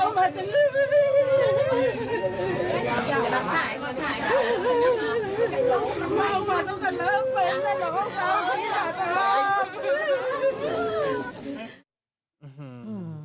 ขอบคุณครับ